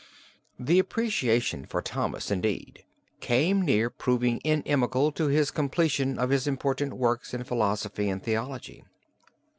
The appreciation for Thomas, indeed, came near proving inimical to his completion of his important works in philosophy and theology.